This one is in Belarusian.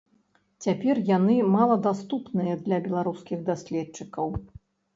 Цяпер яны маладаступныя для беларускіх даследчыкаў.